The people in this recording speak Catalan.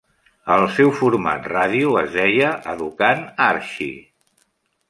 Al seu format ràdio es deia "Educant Archie".